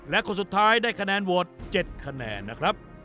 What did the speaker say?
และคนสุดท้ายได้คะแนนโหวต๗คะแนนนะครับ